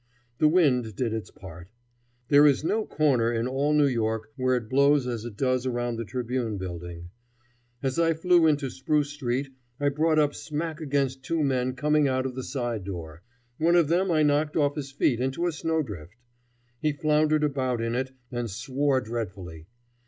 The wind did its part. There is no corner in all New York where it blows as it does around the Tribune building. As I flew into Spruce Street I brought up smack against two men coming out of the side door. One of them I knocked off his feet into a snowdrift. He floundered about in it and swore dreadfully.